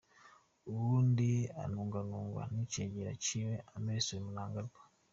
Uwundi anuganugwa n'icegera ciwe Emmerson Mnangagwa.